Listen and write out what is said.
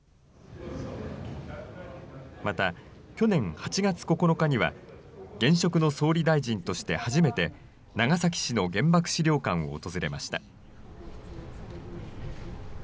また、去年８月９日には現職の総理大臣として初めて、長崎市の原爆資料館を訪れました。